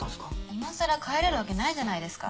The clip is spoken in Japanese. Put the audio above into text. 今更帰れるわけないじゃないですか。